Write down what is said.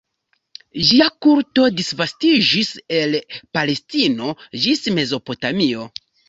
Ĝia kulto disvastiĝis el Palestino ĝis Mezopotamio.